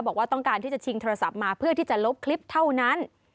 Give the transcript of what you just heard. บอกว่าต้องการที่จะชิงโทรศัพท์มาเพื่อที่จะลบคลิปเท่านั้น